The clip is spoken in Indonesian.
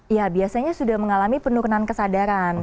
ya biasanya sudah mengalami penurunan kesadaran